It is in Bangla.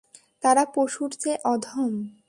তারা পশুর চেয়ে অধম!